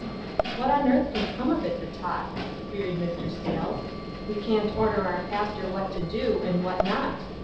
"What on earth can come of it but talk?" queried Mr. Sayles. "We can't order our pas tor what to do, and what not.